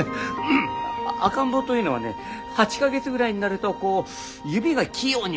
赤ん坊というのはね８か月ぐらいになるとこう指が器用に動くらしいんだ。